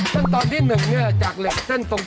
ขั้นตอนที่๑จากเหล็กเส้นตรง